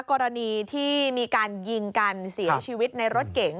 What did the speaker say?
กรณีที่มีการยิงกันเสียชีวิตในรถเก๋ง